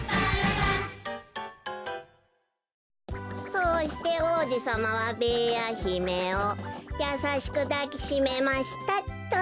「そうして王子様はべーやひめをやさしくだきしめました」っと。